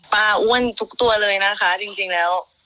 อ้วนทุกตัวเลยนะคะจริงแล้ว